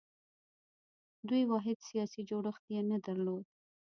دوی واحد سیاسي جوړښت یې نه درلود